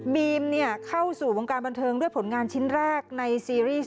เข้าสู่วงการบันเทิงด้วยผลงานชิ้นแรกในซีรีส์